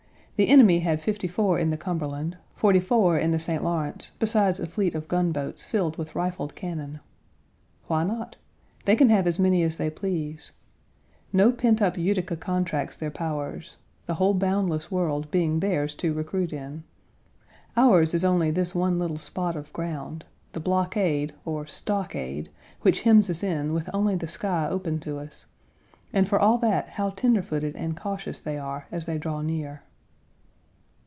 The enemy had fifty four in the Cumberland, forty four in the St. Lawrence, besides a fleet of gunboats, filled with rifled cannon. Why not? They can have as many as they please. "No pent up Utica contracts their powers"; the whole boundless world being theirs to recruit in. Ours is only this one little spot of ground the blockade, or stockade, which hems us in with only the sky open to us, and for all that, how tender footed and cautious they are as they draw near.